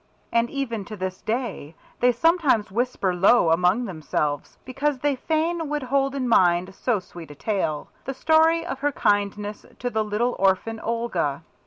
And even to this day they sometimes whisper low among themselves (because they fain would hold in mind so sweet a tale) the story of her kindness to the little orphan, Olga.